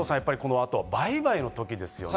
あと売買の時ですね。